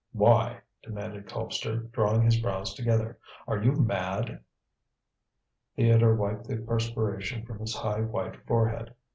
"Why?" demanded Colpster, drawing his brows together; "are you mad?" Theodore wiped the perspiration from his high, white forehead.